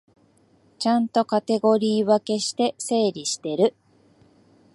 ちゃんとカテゴリー分けして整理してる